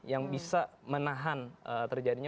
yang bisa menahan terjadinya